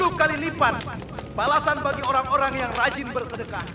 denai sepuluh kali nipan balasan bagi orang orang yang rajin bersedekah